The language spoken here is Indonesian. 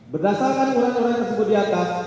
berdasarkan ura ura tersebut di atas